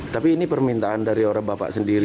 tapi ini permintaan dari orang bapak sendiri